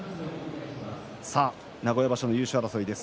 名古屋場所の優勝争い